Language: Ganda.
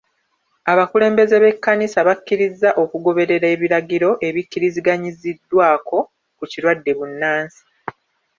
Abakulembeze b'ekkanisa bakkirizza okugoberera ebiragiro ebikkiriziganyiziddwako ku kirwadde bbunansi.